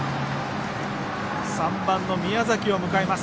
３番の宮崎を迎えます。